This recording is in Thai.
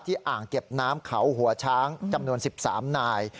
อ่างเก็บน้ำเขาหัวช้างจำนวน๑๓นาย